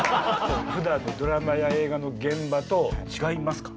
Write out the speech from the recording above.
ふだんのドラマや映画の現場と違いますか？